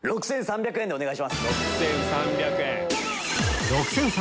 ６３００円でお願いします！